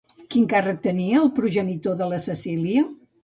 Quin càrrec tenia el progenitor de la Cecília?